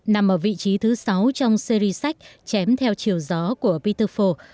nằm ở vị trí thứ sáu trong series sách chém theo chiều gió của peter faux